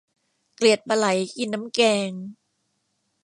เกลียดปลาไหลกินน้ำแกง